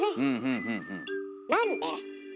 なんで？